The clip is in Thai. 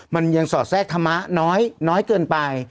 มันยังสอดแทรกธรรมะน้อยเกินไป